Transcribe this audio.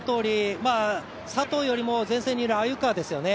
佐藤よりも前線にいる鮎川ですよね。